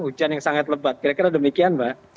hujan yang sangat lebat kira kira demikian mbak